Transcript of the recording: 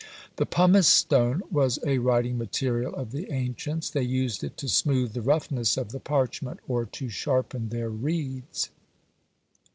The pumice stone was a writing material of the ancients; they used it to smoothe the roughness of the parchment, or to sharpen their reeds.